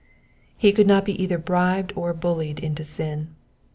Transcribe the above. He could not be either bribed or bullied into sin.